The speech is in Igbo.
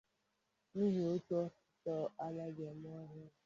n'ihi na ótù osisi anaghị eme ọhịa.